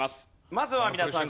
まずは皆さん